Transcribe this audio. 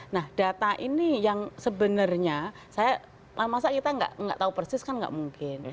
nah data ini yang sebenarnya saya masa kita nggak tahu persis kan nggak mungkin